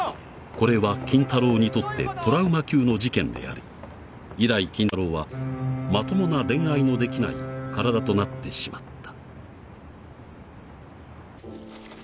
これは筋太郎にとってトラウマ級の事件であり以来筋太郎はまともな恋愛のできない体となってしまった